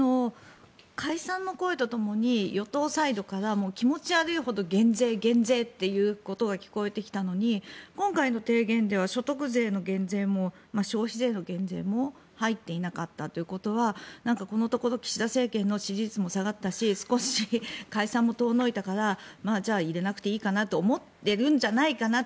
解散の声とともに与党サイドから気持ち悪いほど減税、減税っていうことが聞こえてきたのに今回の提言では所得税の減税も消費税の減税も入っていなかったということはこのところ岸田政権の支持率も下がったし少し解散も遠のいたからじゃあ、入れなくていいかなと思ってるんじゃないかなって。